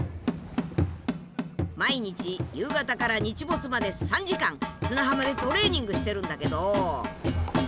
毎日夕方から日没まで３時間砂浜でトレーニングしてるんだけど。